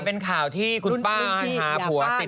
เป็นข่าวที่คุณป้าพาผัวติด